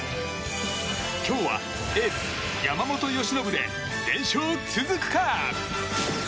今日はエース、山本由伸で連勝続くか？